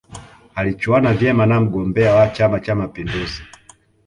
alichuana vyema na mgombea wa chama cha mapinduzi